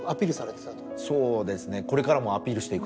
そうですね。